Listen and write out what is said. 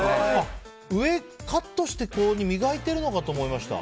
上、カットして磨いているのかと思いました。